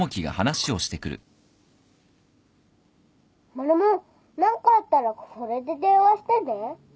マルモ何かあったらこれで電話してね。